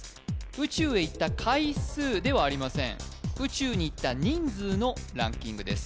宇宙へ行った回数ではありません宇宙に行った人数のランキングです